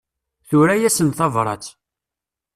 Tura-asen tabrat.